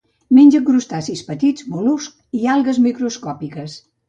Menja crustacis petits, mol·luscs i algues microscòpiques.